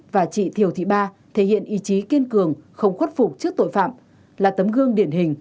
và chị thiều thị ba thể hiện ý chí kiên cường không khuất phục trước tội phạm là tấm gương điển hình